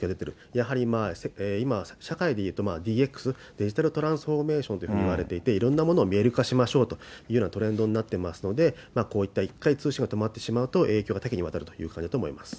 やはり今、社会でいうとＤＸ・デジタルトランスフォーメーションといわれていて、いろんなものを見える化しましょうというトレンドになっていますので、こういった一回通信が止まってしまうと、影響が多岐にわたってしまうということがあります。